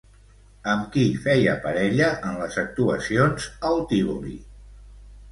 Amb qui feia parella en les actuacions al Tívoli?